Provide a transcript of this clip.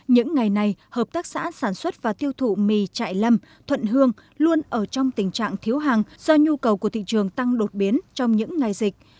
những ngày này hợp tác xã sản xuất và tiêu thụ mì chạy lâm thuận hương luôn ở trong tình trạng thiếu hàng do nhu cầu của thị trường tăng đột biến trong những ngày dịch